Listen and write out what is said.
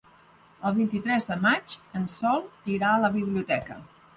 El vint-i-tres de maig en Sol irà a la biblioteca.